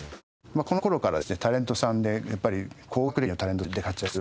この頃からですねタレントさんでやっぱり高学歴のタレントさんで活躍する。